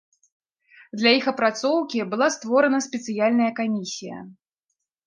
Для іх апрацоўкі была створана спецыяльная камісія.